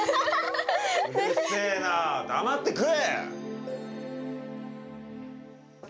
うるせえな、黙って食え！